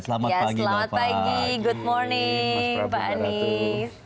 selamat pagi pak anies